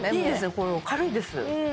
これ軽いです